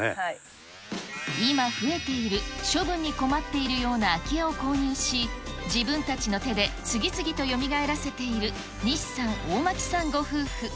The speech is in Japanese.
今増えている、処分に困っているような空き家を購入し、自分たちの手で次々とよみがえらせている西さん、大巻さんご夫婦。